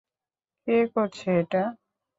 কে করছে এটা?